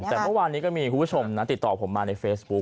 แต่เมื่อวานนี้ก็มีคุณผู้ชมนะติดต่อผมมาในเฟซบุ๊ค